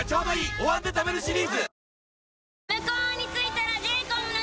「お椀で食べるシリーズ」